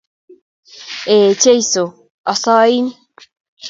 Ee Jeiso asain.